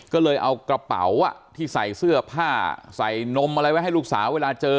ก็เลยเอากระเป๋าที่ใส่เสื้อผ้าใส่นมอะไรไว้ให้ลูกสาวเวลาเจอ